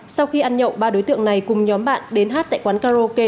sau khi ăn nhậu ba đối tượng này cùng nhóm bạn đến hát tại quán karaoke